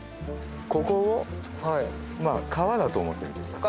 ここを川だと思ってみてください。